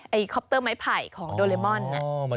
ไอลีคอปเตอร์ไม้ไผ่ของโดร็มาน